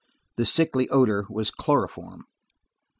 The sickly odor was chloroform!